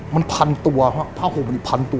มันพันตัวเพราะว่าผ้าห่มอีกพันตัว